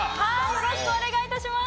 よろしくお願いします。